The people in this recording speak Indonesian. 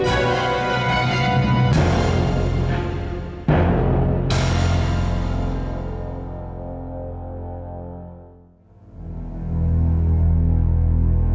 saya harus memperbaikinya